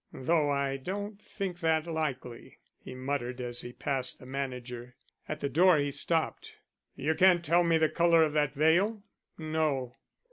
Though I don't think that likely," he muttered as he passed the manager. At the door he stopped. "You can't tell me the color of that veil?" "No."